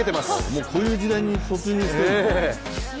もうこういう時代に突入してるの？